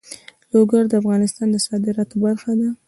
لوگر د افغانستان د صادراتو برخه ده.